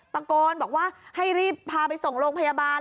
ตะโกนบอกว่าให้รีบพาไปส่งโรงพยาบาล